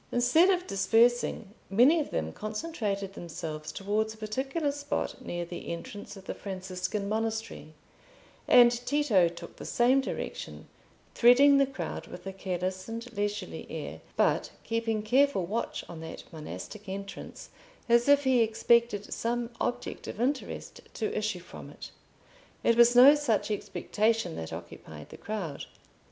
Instead of dispersing, many of them concentrated themselves towards a particular spot near the entrance of the Franciscan monastery, and Tito took the same direction, threading the crowd with a careless and leisurely air, but keeping careful watch on that monastic entrance, as if he expected some object of interest to issue from it. It was no such expectation that occupied the crowd.